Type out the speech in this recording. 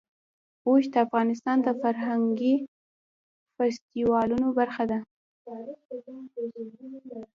اوښ د افغانستان د فرهنګي فستیوالونو برخه ده.